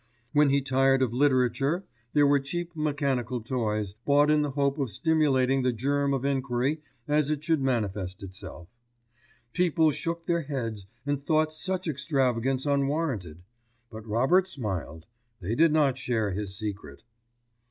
When he tired of literature there were cheap mechanical toys, bought in the hope of stimulating the germ of enquiry as it should manifest itself. People shook their heads and thought such extravagance unwarranted; but Robert smiled. They did not share his secret.